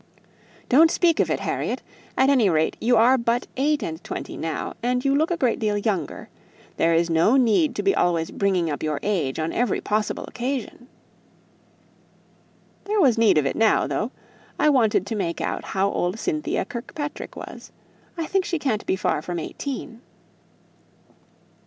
"Don't speak of it, Harriet; at any rate you are but eight and twenty now, and you look a great deal younger. There is no need to be always bringing up your age on every possible occasion." "There was need of it now, though. I wanted to make out how old Cynthia Kirkpatrick was. I think she can't be far from eighteen."